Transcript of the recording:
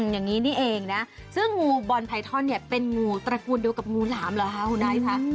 อย่างนี้นี่เองนะซึ่งงูบอลไพทอนเนี่ยเป็นงูตระกูลเดียวกับงูหลามเหรอคะคุณไอซ์ค่ะ